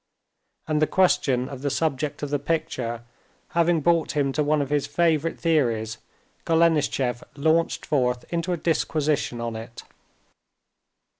And the question of the subject of the picture having brought him to one of his favorite theories, Golenishtchev launched forth into a disquisition on it.